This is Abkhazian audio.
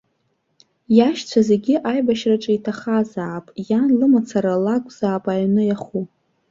Иашьцәа зегь аибашьраҿы иҭахазаап, иан лымацара лакәзаап аҩны иаху!